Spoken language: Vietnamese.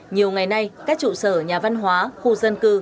nhiều ngày nay các trụ sở nhà văn hóa khu dân cư